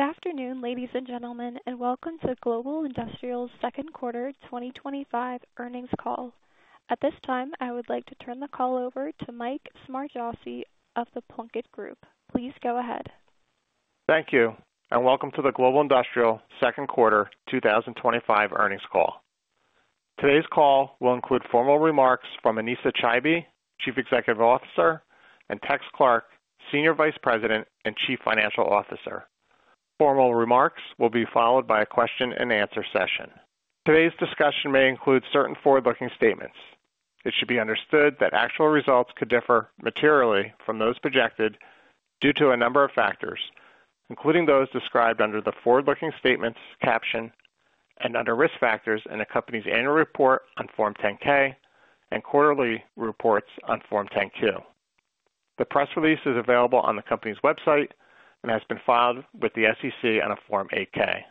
Good afternoon, ladies and gentlemen, and welcome to Global Industrial Company's Second Quarter 2025 Earnings Call. At this time, I would like to turn the call over to Mike Smargiassi of The Plunkett Group. Please go ahead. Thank you, and welcome to the Global Industrial Second Quarter 2025 Earnings Call. Today's call will include formal remarks from Anesa Chaibi, Chief Executive Officer, and Tex Clark, Senior Vice President and Chief Financial Officer. Formal remarks will be followed by a question and answer session. Today's discussion may include certain forward-looking statements. It should be understood that actual results could differ materially from those projected due to a number of factors, including those described under the forward-looking statements caption and under risk factors in the company's annual report on Form 10-K and quarterly reports on Form 10-Q. The press release is available on the company's website and has been filed with the SEC on a Form 8-K.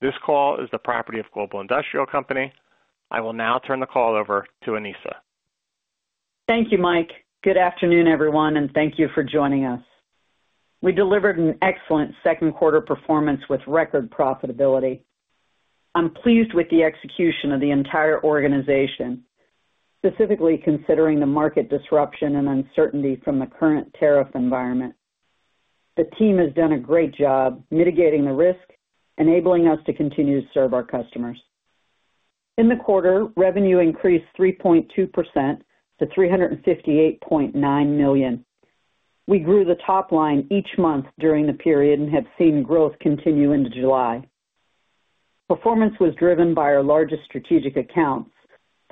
This call is the property of Global Industrial Company. I will now turn the call over to Anesa. Thank you, Mike. Good afternoon, everyone, and thank you for joining us. We delivered an excellent second quarter performance with record profitability. I'm pleased with the execution of the entire organization, specifically considering the market disruption and uncertainty from the current tariff environment. The team has done a great job mitigating the risk, enabling us to continue to serve our customers. In the quarter, revenue increased 3.2% to $358.9 million. We grew the top line each month during the period and have seen growth continue into July. Performance was driven by our largest strategic accounts,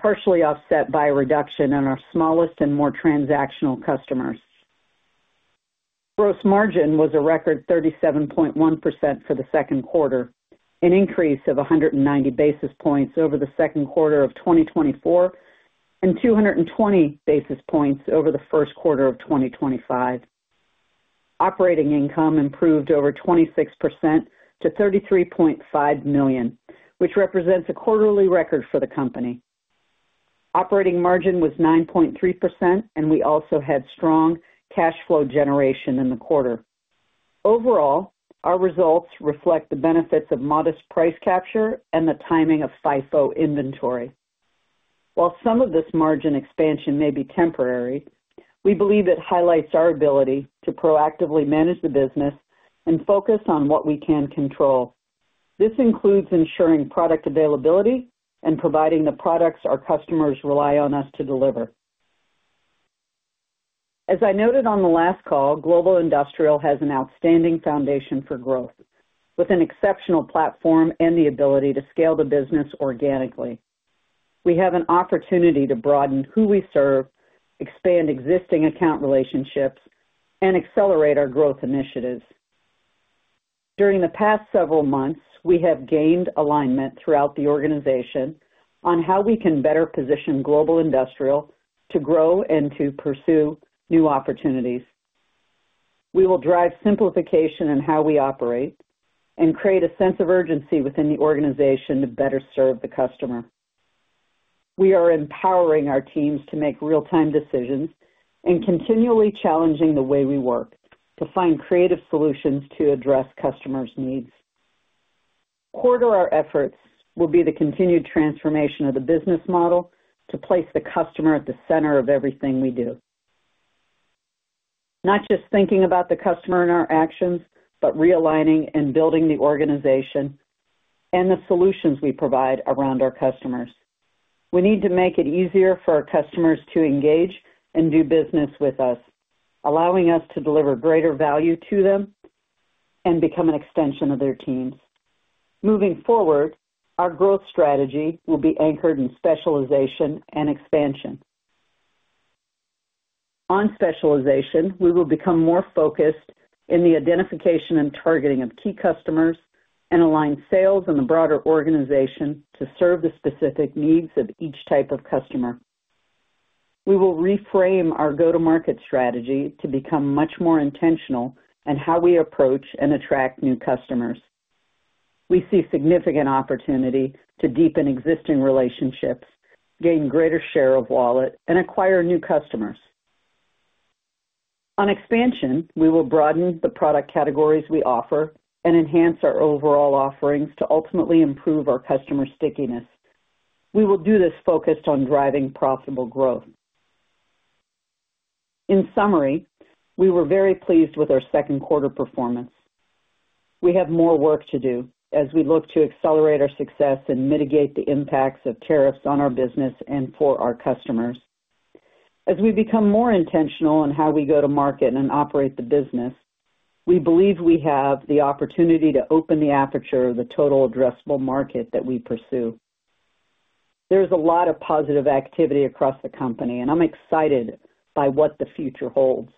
partially offset by a reduction in our smallest and more transactional customers. Gross margin was a record 37.1% for the second quarter, an increase of 190 basis points over the second quarter of 2024 and 220 basis points over the first quarter of 2025. Operating income improved over 26% to $33.5 million, which represents a quarterly record for the company. Operating margin was 9.3%, and we also had strong cash flow generation in the quarter. Overall, our results reflect the benefits of modest price capture and the timing of FIFO inventory. While some of this margin expansion may be temporary, we believe it highlights our ability to proactively manage the business and focus on what we can control. This includes ensuring product availability and providing the products our customers rely on us to deliver. As I noted on the last call, Global Industrial has an outstanding foundation for growth, with an exceptional platform and the ability to scale the business organically. We have an opportunity to broaden who we serve, expand existing account relationships, and accelerate our growth initiatives. During the past several months, we have gained alignment throughout the organization on how we can better position Global Industrial to grow and to pursue new opportunities. We will drive simplification in how we operate and create a sense of urgency within the organization to better serve the customer. We are empowering our teams to make real-time decisions and continually challenging the way we work to find creative solutions to address customers' needs. Quarter our efforts will be the continued transformation of the business model to place the customer at the center of everything we do, not just thinking about the customer and our actions, but realigning and building the organization and the solutions we provide around our customers. We need to make it easier for our customers to engage and do business with us, allowing us to deliver greater value to them and become an extension of their teams. Moving forward, our growth strategy will be anchored in specialization and expansion. On specialization, we will become more focused in the identification and targeting of key customers and align sales in the broader organization to serve the specific needs of each type of customer. We will reframe our go-to-market strategy to become much more intentional in how we approach and attract new customers. We see significant opportunity to deepen existing relationships, gain greater share of wallet, and acquire new customers. On expansion, we will broaden the product categories we offer and enhance our overall offerings to ultimately improve our customer stickiness. We will do this focused on driving profitable growth. In summary, we were very pleased with our second quarter performance. We have more work to do as we look to accelerate our success and mitigate the impacts of tariffs on our business and for our customers. As we become more intentional in how we go to market and operate the business, we believe we have the opportunity to open the aperture of the total addressable market that we pursue. There is a lot of positive activity across the company, and I'm excited by what the future holds.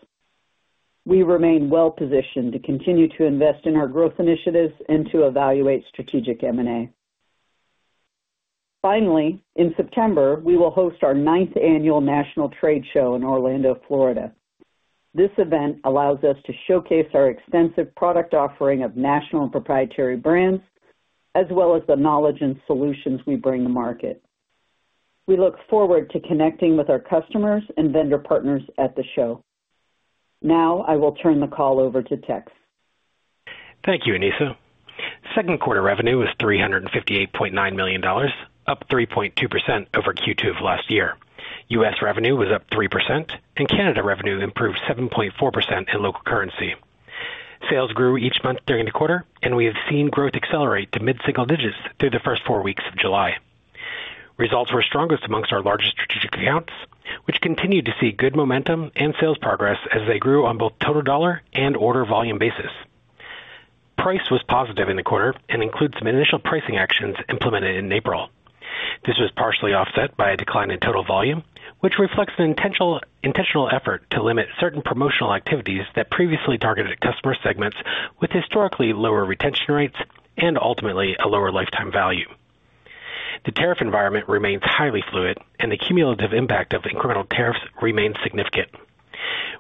We remain well positioned to continue to invest in our growth initiatives and to evaluate strategic M&A. Finally, in September, we will host our ninth annual National Trade Show in Orlando, Florida. This event allows us to showcase our extensive product offering of national and proprietary brands, as well as the knowledge and solutions we bring to market. We look forward to connecting with our customers and vendor partners at the show. Now, I will turn the call over to Tex. Thank you, Anesa. Second quarter revenue was $358.9 million, up 3.2% over Q2 of last year. U.S. revenue was up 3%, and Canada revenue improved 7.4% in local currency. Sales grew each month during the quarter, and we have seen growth accelerate to mid-single digits through the first four weeks of July. Results were strongest amongst our largest strategic accounts, which continued to see good momentum and sales progress as they grew on both total dollar and order volume basis. Price was positive in the quarter and includes some initial pricing actions implemented in April. This was partially offset by a decline in total volume, which reflects an intentional effort to limit certain promotional activities that previously targeted customer segments with historically lower retention rates and ultimately a lower lifetime value. The tariff environment remains highly fluid, and the cumulative impact of incremental tariffs remains significant.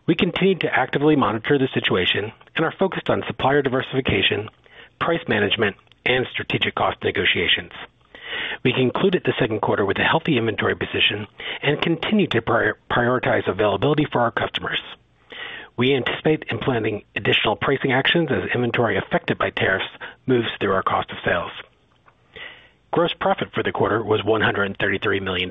We continue to actively monitor the situation and are focused on supplier diversification, price management, and strategic cost negotiations. We concluded the second quarter with a healthy inventory position and continue to prioritize availability for our customers. We anticipate implementing additional pricing actions as inventory affected by tariffs moves through our cost of sales. Gross profit for the quarter was $133 million.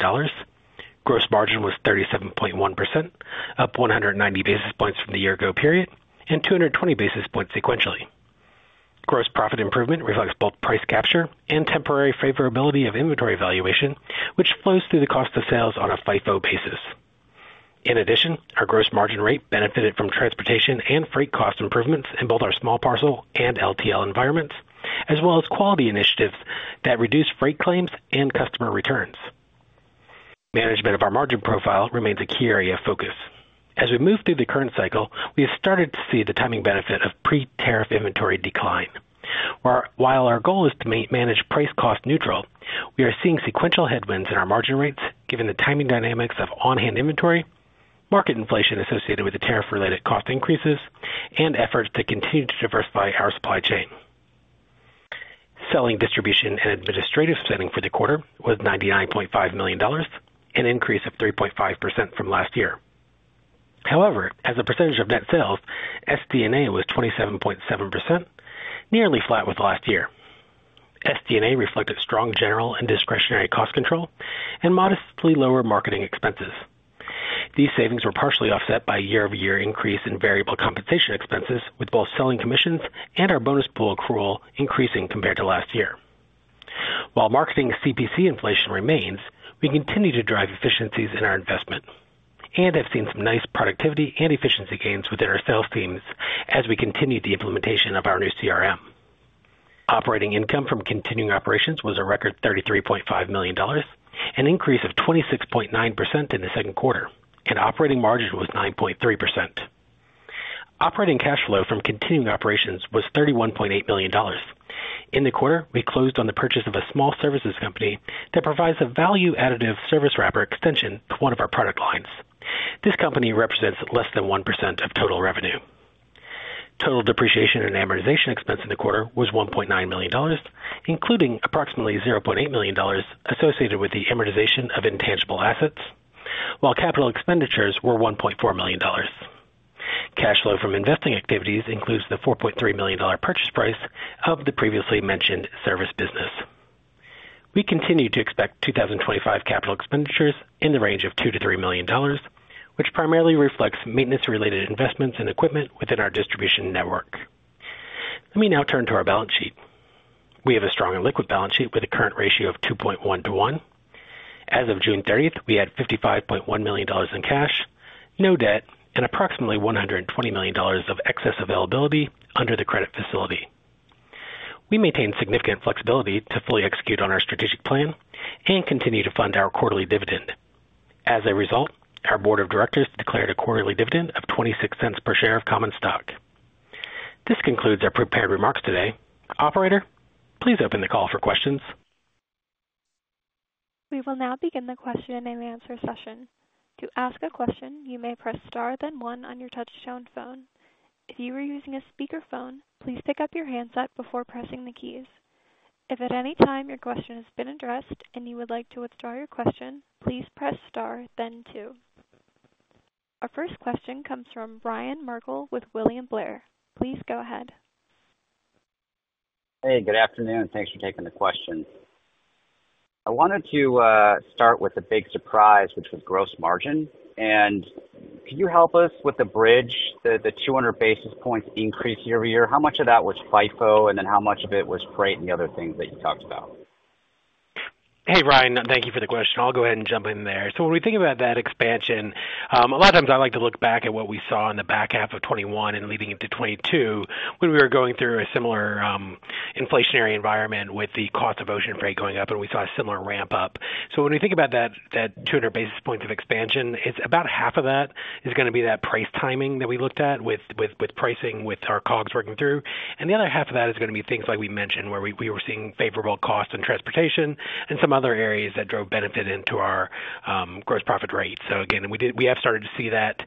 Gross margin was 37.1%, up 190 basis points from the year-ago period and 220 basis points sequentially. Gross profit improvement reflects both price capture and temporary favorability of inventory valuation, which flows through the cost of sales on a FIFO basis. In addition, our gross margin rate benefited from transportation and freight cost improvements in both our small parcel and LTL environments, as well as quality initiatives that reduce freight claims and customer returns. Management of our margin profile remains a key area of focus. As we move through the current cycle, we have started to see the timing benefit of pre-tariff inventory decline. While our goal is to manage price cost neutral, we are seeing sequential headwinds in our margin rates, given the timing dynamics of on-hand inventory, market inflation associated with the tariff-related cost increases, and efforts to continue to diversify our supply chain. Selling, distribution, and administrative spending for the quarter was $99.5 million, an increase of 3.5% from last year. However, as a percentage of net sales, SD&A was 27.7%, nearly flat with last year. SD&A reflected strong general and discretionary cost control and modestly lower marketing expenses. These savings were partially offset by a year-over-year increase in variable compensation expenses, with both selling commissions and our bonus pool accrual increasing compared to last year. While marketing CPC inflation remains, we continue to drive efficiencies in our investment and have seen some nice productivity and efficiency gains within our sales teams as we continue the implementation of our new CRM. Operating income from continuing operations was a record $33.5 million, an increase of 26.9% in the second quarter, and operating margin was 9.3%. Operating cash flow from continuing operations was $31.8 million. In the quarter, we closed on the purchase of a small services company that provides a value-additive service wrapper extension to one of our product lines. This company represents less than 1% of total revenue. Total depreciation and amortization expense in the quarter was $1.9 million, including approximately $0.8 million associated with the amortization of intangible assets, while capital expenditures were $1.4 million. Cash flow from investing activities includes the $4.3 million purchase price of the previously mentioned service business. We continue to expect 2025 capital expenditures in the range of $2-$3 million, which primarily reflects maintenance-related investments in equipment within our distribution network. Let me now turn to our balance sheet. We have a strong liquid balance sheet with a current ratio of 2.1-1. As of June 30th, we had $55.1 million in cash, no debt, and approximately $120 million of excess availability under the credit facility. We maintain significant flexibility to fully execute on our strategic plan and continue to fund our quarterly dividend. As a result, our board of directors declared a quarterly dividend of $0.26 per share of common stock. This concludes our prepared remarks today. Operator, please open the call for questions. We will now begin the question and answer session. To ask a question, you may press star then one on your touch-toned phone. If you are using a speaker phone, please pick up your handset before pressing the keys. If at any time your question has been addressed and you would like to withdraw your question, please press star then two. Our first question comes from Ryan Merkel with William Blair. Please go ahead. Hey, good afternoon. Thanks for taking the question. I wanted to start with a big surprise, which was gross margin. Could you help us with the bridge, the 200 basis points increase year-over-year? How much of that was FIFO, and how much of it was freight and the other things that you talked about? Hey, Ryan. Thank you for the question. I'll go ahead and jump in there. When we think about that expansion, a lot of times I like to look back at what we saw in the back half of 2021 and leading into 2022 when we were going through a similar inflationary environment with the cost of ocean freight going up and we saw a similar ramp-up. When we think about that 200 basis points of expansion, about half of that is going to be that price timing that we looked at with pricing with our COGS working through. The other half of that is going to be things like we mentioned where we were seeing favorable costs in transportation and some other areas that drove benefit into our gross profit rate. We have started to see that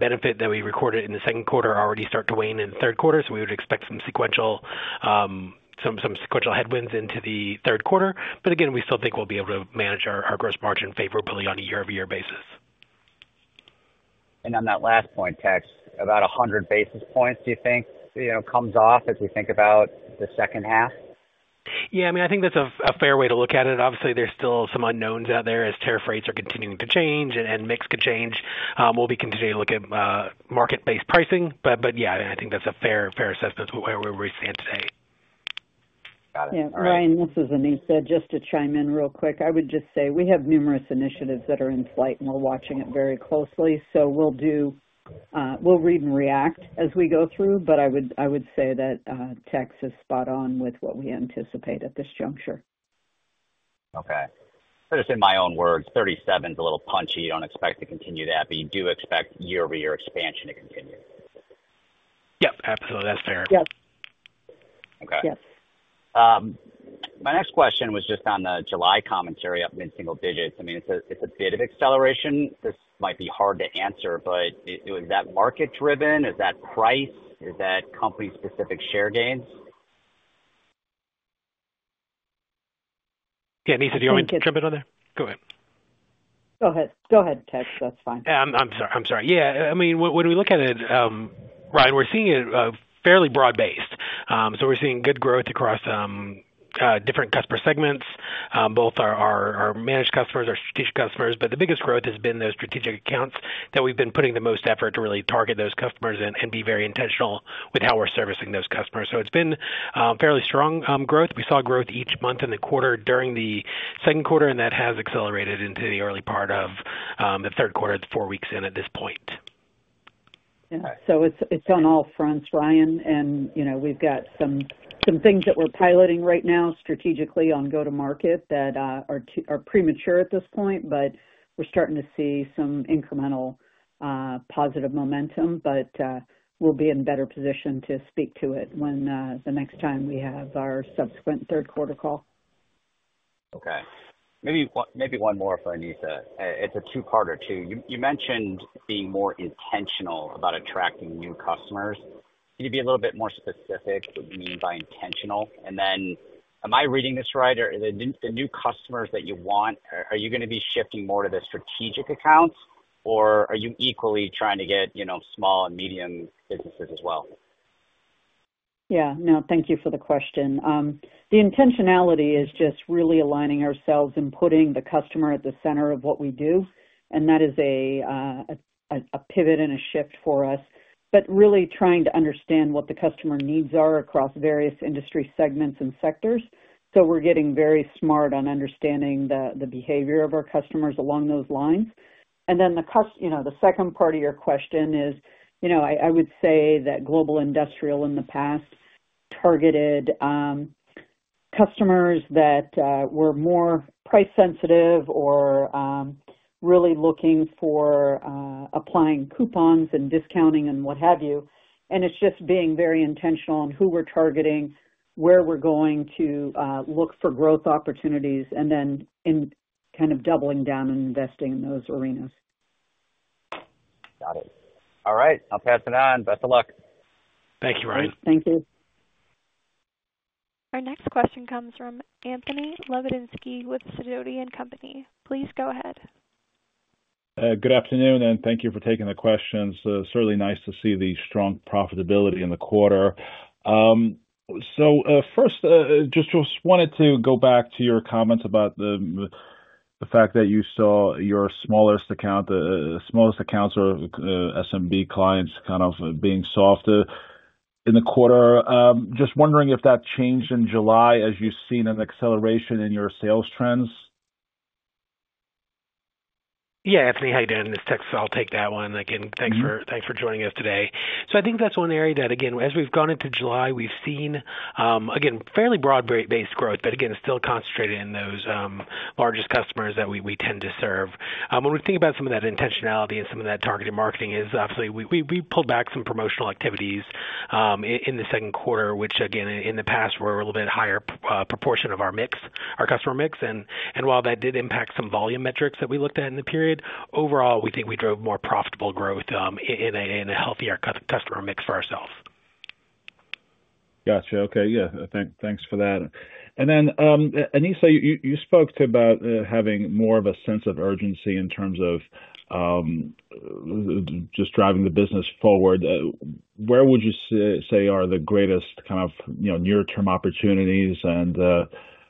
benefit that we recorded in the second quarter already start to wane in the third quarter. We would expect some sequential headwinds into the third quarter. We still think we'll be able to manage our gross margin favorably on a year-over-year basis. On that last point, Tex, about 100 basis points, do you think, comes off as we think about the second half? Yeah, I mean, I think that's a fair way to look at it. Obviously, there's still some unknowns out there as tariff rates are continuing to change and mix could change. We'll be continuing to look at market-based pricing. Yeah, I think that's a fair assessment of where we stand today. Got it. Ryan, this is Anesa. Just to chime in real quick, I would just say we have numerous initiatives that are in flight and we're watching it very closely. We'll read and react as we go through. I would say that Tex is spot on with what we anticipate at this juncture. Okay. Just in my own words, 37 is a little punchy. You don't expect to continue that, but you do expect year-over-year expansion to continue. Yep, absolutely. That's fair. Yes. Okay. My next question was just on the July commentary up mid-single digits. I mean, it's a bit of acceleration. This might be hard to answer, but is that market-driven? Is that price? Is that company-specific share gains? Yeah, Anesa, do you want to jump in on that? Go ahead. Go ahead, Tex. That's fine. I mean, when we look at it, Ryan, we're seeing it fairly broad-based. We're seeing good growth across different customer segments, both our managed customers and our strategic customers, but the biggest growth has been those strategic accounts that we've been putting the most effort to really target those customers and be very intentional with how we're servicing those customers. It's been fairly strong growth. We saw growth each month in the quarter during the second quarter, and that has accelerated into the early part of the third quarter, the four weeks in at this point. It's on all fronts, Ryan. We've got some things that we're piloting right now strategically on go-to-market that are premature at this point, but we're starting to see some incremental positive momentum. We'll be in better position to speak to it the next time we have our subsequent third quarter call. Okay. Maybe one more for Anesa. It's a two-parter too. You mentioned being more intentional about attracting new customers. Can you be a little bit more specific to what you mean by intentional? Am I reading this right? Are the new customers that you want, are you going to be shifting more to the strategic accounts, or are you equally trying to get small and medium businesses as well? Thank you for the question. The intentionality is just really aligning ourselves and putting the customer at the center of what we do. That is a pivot and a shift for us. Really trying to understand what the customer needs are across various industry segments and sectors. We're getting very smart on understanding the behavior of our customers along those lines. The second part of your question is, I would say that Global Industrial in the past targeted customers that were more price-sensitive or really looking for applying coupons and discounting and what have you. It's just being very intentional on who we're targeting, where we're going to look for growth opportunities, and then kind of doubling down and investing in those arenas. Got it. All right, I'll pass it on. Best of luck. Thank you, Ryan. Thank you. Our next question comes from Anthony Lebiedzinski with Sidoti & Company. Please go ahead. Good afternoon, and thank you for taking the questions. Certainly nice to see the strong profitability in the quarter. First, I just wanted to go back to your comments about the fact that you saw your smallest accounts, the smallest accounts or SMB clients, kind of being softer in the quarter. Just wondering if that changed in July as you've seen an acceleration in your sales trends. Yeah, Anthony, how are you doing? This is Tex. I'll take that one. Again, thanks for joining us today. I think that's one area that, as we've gone into July, we've seen fairly broad-based growth, but still concentrated in those largest customers that we tend to serve. When we think about some of that intentionality and some of that targeted marketing, obviously, we pulled back some promotional activities in the second quarter, which in the past were a little bit higher proportion of our customer mix. While that did impact some volume metrics that we looked at in the period, overall, we think we drove more profitable growth in a healthier customer mix for ourselves. Gotcha. Okay. Yeah. Thanks for that. Anesa, you spoke about having more of a sense of urgency in terms of just driving the business forward. Where would you say are the greatest kind of near-term opportunities, and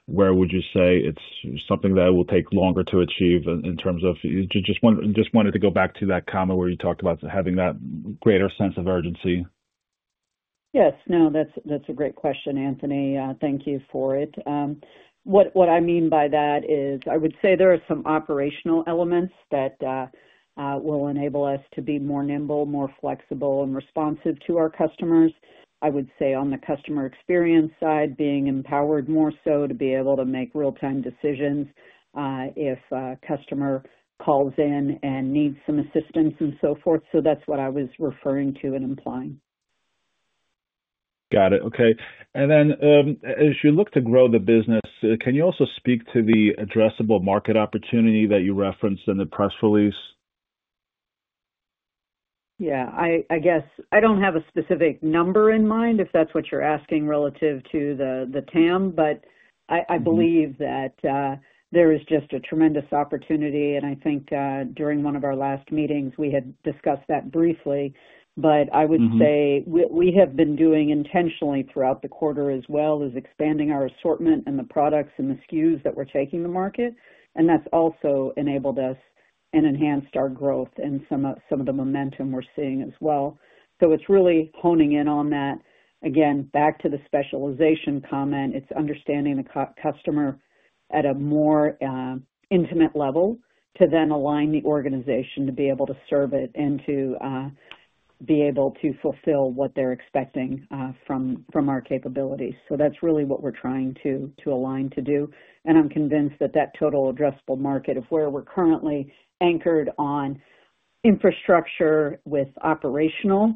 where would you say it's something that will take longer to achieve in terms of just wanted to go back to that comment where you talked about having that greater sense of urgency? Yes. No, that's a great question, Anthony. Thank you for it. What I mean by that is I would say there are some operational elements that will enable us to be more nimble, more flexible, and responsive to our customers. I would say on the customer experience side, being empowered more so to be able to make real-time decisions if a customer calls in and needs some assistance and so forth. That's what I was referring to and implying. Okay. As you look to grow the business, can you also speak to the total addressable market opportunity that you referenced in the press release? Yeah. I guess I don't have a specific number in mind if that's what you're asking relative to the total addressable market, but I believe that there is just a tremendous opportunity. I think during one of our last meetings, we had discussed that briefly. I would say we have been doing intentionally throughout the quarter as well as expanding our assortment and the products and the SKUs that we're taking to market. That's also enabled us and enhanced our growth and some of the momentum we're seeing as well. It's really honing in on that. Again, back to the specialization comment, it's understanding the customer at a more intimate level to then align the organization to be able to serve it and to be able to fulfill what they're expecting from our capabilities. That's really what we're trying to align to do. I'm convinced that that total addressable market, if where we're currently anchored on infrastructure with operational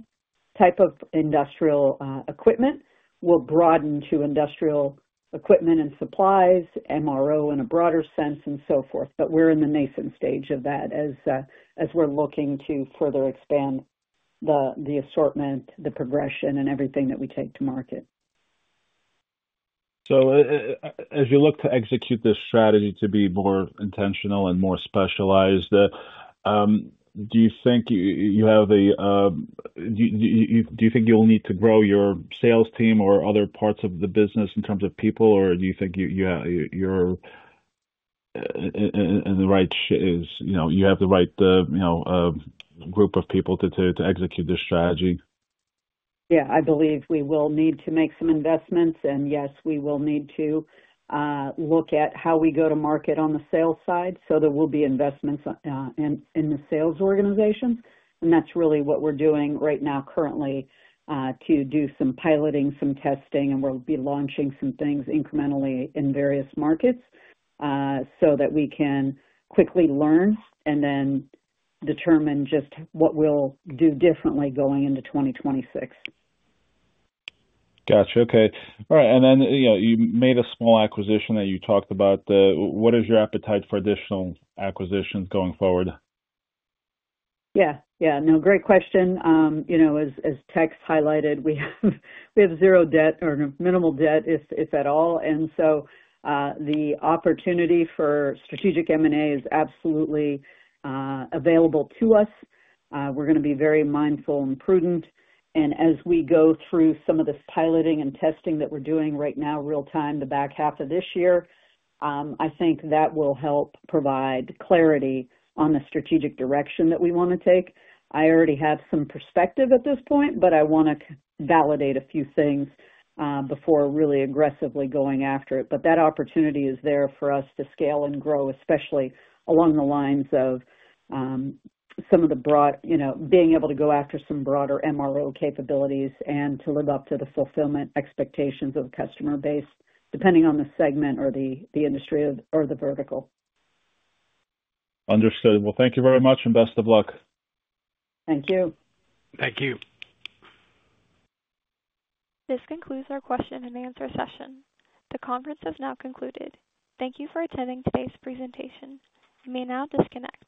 type of industrial equipment, will broaden to industrial equipment and supplies, MRO in a broader sense, and so forth. We're in the nascent stage of that as we're looking to further expand the assortment, the progression, and everything that we take to market. As you look to execute this strategy to be more intentional and more specialized, do you think you'll need to grow your sales team or other parts of the business in terms of people, or do you think you're in the right, you have the right group of people to execute this strategy? I believe we will need to make some investments, and yes, we will need to look at how we go to market on the sales side. There will be investments in the sales organization. That's really what we're doing right now currently, to do some piloting, some testing, and we'll be launching some things incrementally in various markets so that we can quickly learn and then determine just what we'll do differently going into 2026. Okay. All right. You made a small acquisition that you talked about. What is your appetite for additional acquisitions going forward? Yeah. No, great question. You know, as Tex highlighted, we have zero debt or minimal debt, if at all. The opportunity for strategic M&A is absolutely available to us. We're going to be very mindful and prudent. As we go through some of this piloting and testing that we're doing right now, real-time, the back half of this year, I think that will help provide clarity on the strategic direction that we want to take. I already have some perspective at this point, but I want to validate a few things before really aggressively going after it. That opportunity is there for us to scale and grow, especially along the lines of some of the broad, you know, being able to go after some broader MRO capabilities and to live up to the fulfillment expectations of the customer base, depending on the segment or the industry or the vertical. Thank you very much, and best of luck. Thank you. Thank you. This concludes our question and answer session. The conference is now concluded. Thank you for attending today's presentation. We may now disconnect.